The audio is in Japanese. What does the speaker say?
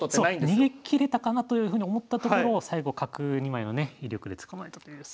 逃げきれたかなというふうに思ったところを最後角２枚のね威力で捕まえたというすごい将棋でしたね。